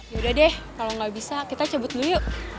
ya udah deh kalau tidak bisa kita cabut dulu yuk